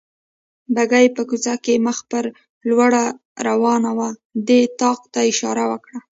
بګۍ په کوڅه کې مخ په لوړه روانه وه، دې طاق ته اشاره وکړل.